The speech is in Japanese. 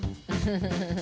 フフフフ！